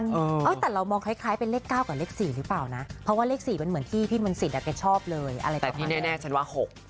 นั่นแหละตามนั้นคุณผู้ชมค่ะ